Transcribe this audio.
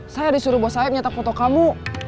saya disuruh bos saya menyetak foto kamu